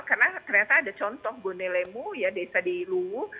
karena ternyata ada contoh bonelemu desa di luwu